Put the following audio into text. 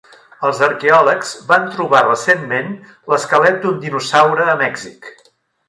Els arqueòlegs van trobar recentment l'esquelet d'un dinosaure a Mèxic.